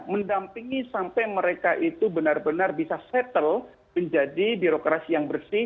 mendampingi sampai mereka itu benar benar bisa settle menjadi birokrasi yang bersih